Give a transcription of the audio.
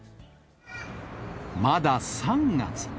まだ３月。